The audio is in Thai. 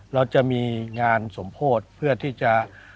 เราจะมีงานสมโพธิเพื่อที่จะ